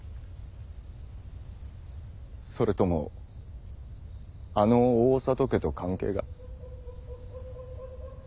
それともあの大郷家と関係が。